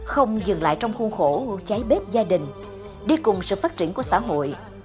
không dừng lại trong khuôn khổ cháy bếp gia đình đi cùng sự phát triển của xã hội